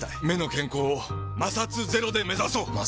目の健康を摩擦ゼロで目指そう！